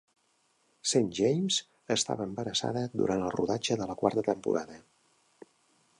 Saint James estava embarassada durant el rodatge de la quarta temporada.